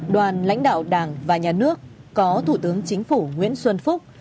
đoàn lãnh đạo đảng và nhà nước có thủ tướng chính phủ nguyễn xuân phúc